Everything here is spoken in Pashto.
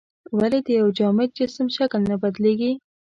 ولې د یو جامد جسم شکل نه بدلیږي؟